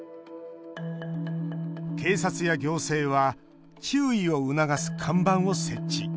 警察や行政は注意を促す看板を設置。